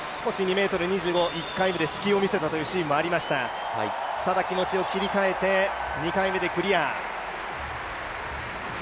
１回目で隙を見せたシーンもありましたがただ気持ちを切り替えて、２回目でクリア。